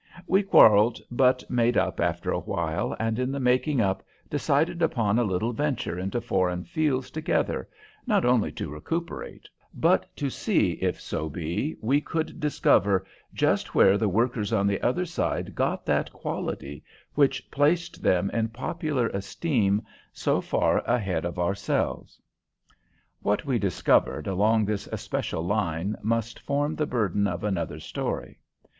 We quarrelled, but made up after a while, and in the making up decided upon a little venture into foreign fields together, not only to recuperate, but to see if so be we could discover just where the workers on the other side got that quality which placed them in popular esteem so far ahead of ourselves. What we discovered along this especial line must form the burden of another story.